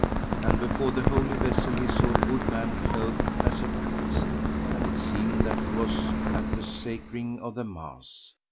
And before the Holy Vessel he saw a good man clothed as a priest. And it seemed that he was at the sacring of the mass.